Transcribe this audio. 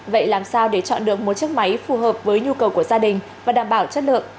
vậy làm sao để chọn được một chiếc máy phù hợp với nhu cầu của gia đình và đảm bảo chất lượng